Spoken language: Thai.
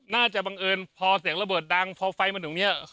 บังเอิญพอเสียงระเบิดดังพอไฟมาถึงเนี่ย